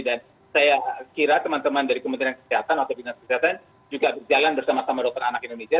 dan saya kira teman teman dari kementerian kesehatan atau bintang kesehatan juga berjalan bersama sama dokter anak indonesia